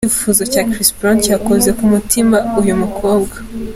Icyifuzo cya Chris Brown cyakoze ku mutima uyu mukobwa.